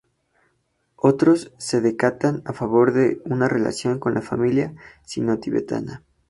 Otros se decantan a favor de una relación con la familia sino-tibetana.